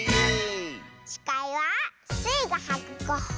しかいはスイがはくゴッホ。